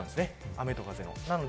雨と風の。